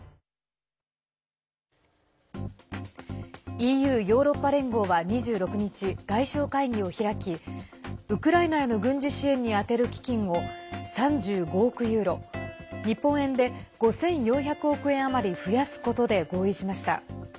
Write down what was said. ＥＵ＝ヨーロッパ連合は２６日、外相会議を開きウクライナへの軍事支援に充てる基金を３５億ユーロ日本円で５４００億円余り増やすことで合意しました。